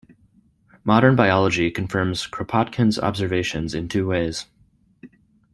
Modern biology confirms Kropotkin's observations in two ways.